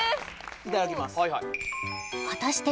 いただきます